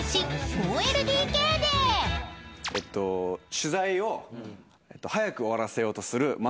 「取材を早く終わらせようとする松岡君」